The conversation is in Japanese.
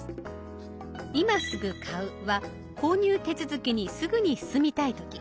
「今すぐ買う」は購入手続きにすぐに進みたい時。